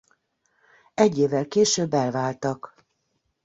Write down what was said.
Egy évvel később elváltak.